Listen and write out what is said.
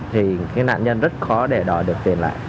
thì cái nạn nhân rất khó để đòi được tiền lại